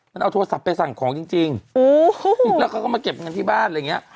มันเอาโทรศัพท์ไปสั่งของจริงแล้วเขาก็มาเก็บเงินที่บ้านอะไรอย่างเงี้ย